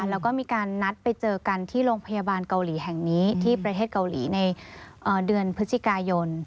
แล้วก็มีการนัดไปเจอกันที่โรงพยาบาลเกาหลีแห่งนี้ที่ประเทศเกาหลีในเดือนพฤศจิกายน